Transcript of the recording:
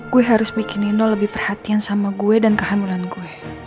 gue harus bikin nino lebih perhatian sama gue dan kehamulan gue